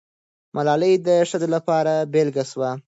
ملالۍ د ښځو لپاره بېلګه سوه.